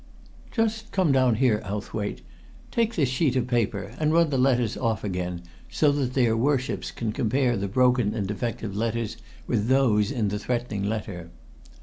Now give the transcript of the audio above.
"Just come down here, Owthwaite; take this sheet of paper, and run the letters off again so that their Worships can compare the broken and defective letters with those in the threatening letter.